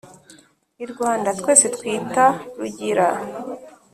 i rwanda twese twita rugira